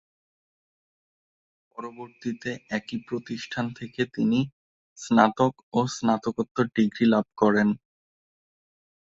পরবর্তীতে একই প্রতিষ্ঠান থেকে তিনি স্নাতক ও স্নাতকোত্তর ডিগ্রি লাভ করেন।